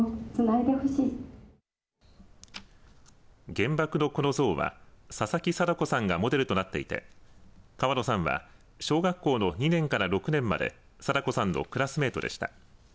原爆の子の像は佐々木禎子さんがモデルとなっていて川野さんは小学校の２年から６年まで禎子さんのクラスメートでした。